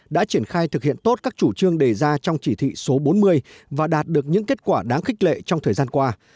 đã triển khai thực hiện tốt các chủ trương đề ra trong chỉ thị số bốn mươi và đạt được những kết quả đáng khích lệ trong thời gian qua